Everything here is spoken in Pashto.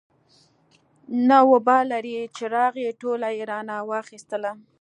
نه وبال لري چې راغی ټوله يې رانه واخېستله.